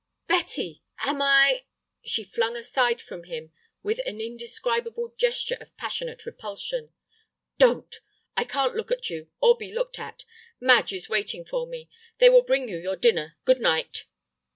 "Betty, am I—?" She flung aside from him with an indescribable gesture of passionate repulsion. "Don't. I can't look at you, or be looked at. Madge is waiting for me. They will bring you your dinner. Good night."